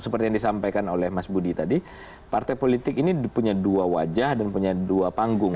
seperti yang disampaikan oleh mas budi tadi partai politik ini punya dua wajah dan punya dua panggung